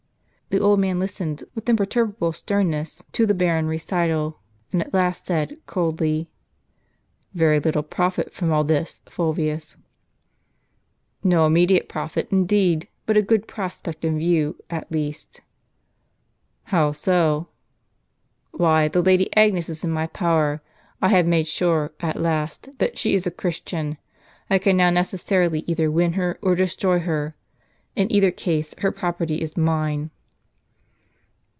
The old man listened with imperturbable sternness to the barren recital, and at last said, coldly :" Very little profit from all this, Fulvius." " No immediate profit, indeed ; but a good prospect in view, at least." "How so? " "Why, the Lady Agnes is in my power. I have made ^ sure, at last, that she is a Christian. I can now necessarily either win her or destroy her. In either case her property is mine."